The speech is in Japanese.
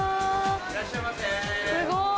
・いらっしゃいませ・すごい。